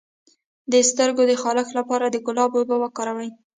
د سترګو د خارښ لپاره د ګلاب اوبه وکاروئ